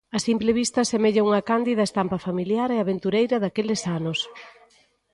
A simple vista semella unha cándida estampa familiar e aventureira daqueles anos.